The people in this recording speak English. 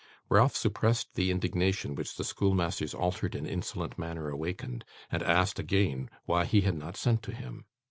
Ralph suppressed the indignation which the schoolmaster's altered and insolent manner awakened, and asked again why he had not sent to him.